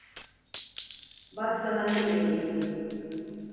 Bak, sana ne diyeceğim.